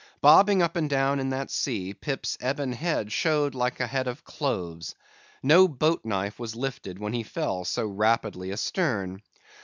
Bobbing up and down in that sea, Pip's ebon head showed like a head of cloves. No boat knife was lifted when he fell so rapidly astern.